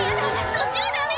そっちはダメ！」